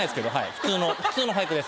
普通の普通の俳句です